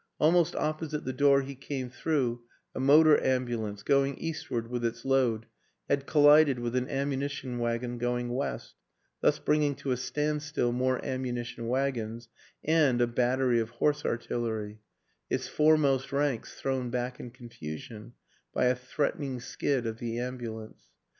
Almost op posite the door he came through, a motor am bulance, going eastward with its load, had collided with an ammunition wagon going west, thus bring ing to a standstill more ammunition wagons and a battery of horse artillery, its foremost ranks thrown back in confusion by a threatening skid of the ambulance.